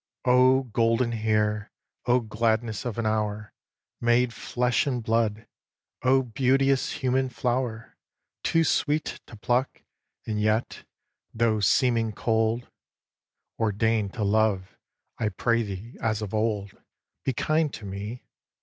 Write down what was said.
xiv. O Golden Hair! O Gladness of an Hour Made flesh and blood! O beauteous Human Flower Too sweet to pluck, and yet, though seeming cold, Ordain'd to love! I pray thee, as of old, Be kind to me.